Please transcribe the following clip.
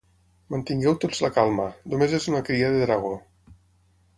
Mantingueu tots la calma, només és una cria de dragó.